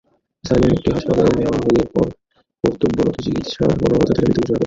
স্থানীয় একটি হাসপাতালে নেওয়া হলে কর্তব্যরত চিকিৎসা কর্মকর্তা তাঁকে মৃত ঘোষণা করেন।